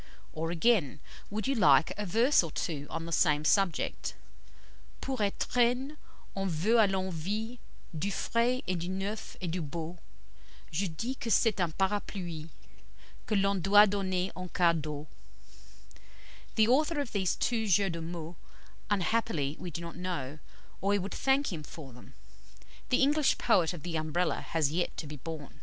Or again, would you like a verse or two on the same subject? "Pour étrenne, on veut à l'envie Du frais et du neuf et du beau, Je dis que c'est un parapluie, Que l'on doit donner en cas d'eau." The author of these two jeux de mots unhappily we do not know, or we would thank him for them. The English poet of the Umbrella has yet to be born.